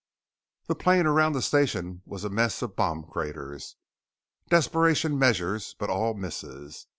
The plain around the station was a mess of bomb craters; desperation measures but all misses.